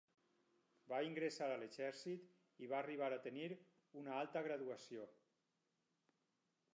Va ingressar a l'exèrcit i va arribar a tenir una alta graduació.